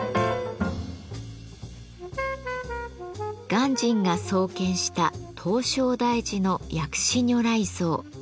鑑真が創建した唐招提寺の薬師如来像。